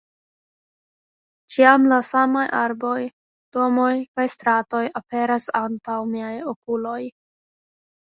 Ĉiam la samaj arboj, domoj kaj stratoj aperas antaŭ miaj okuloj.